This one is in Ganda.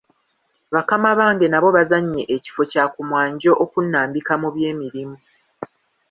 Bakama bange nabo bazannye ekifo kya ku mwanjo okunnambika mu by’emirimu.